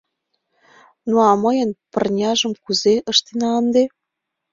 — Ну, а мыйын пырняжым кузе ыштена ынде?